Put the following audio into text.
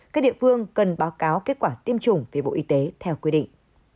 các địa phương cần báo cáo kết quả tiêm chủng về bộ y tế theo quy định